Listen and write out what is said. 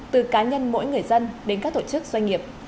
từ cá nhân mỗi người dân đến các tổ chức doanh nghiệp